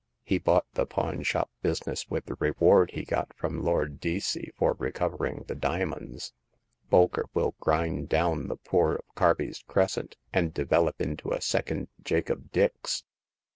He bought the pawnshop business with the reward he got from Lord Deacey for recov ering the diamonds. Bolker will grind down the poor of Carby's Crescent, and develop into a second Jacob Dix."